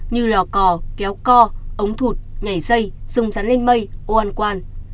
như lò cò kéo co ống thụt nhảy dây rung rắn lên mây ô ăn quan